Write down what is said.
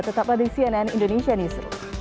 tetap lagi cnn indonesian news